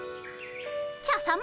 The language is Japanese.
茶さま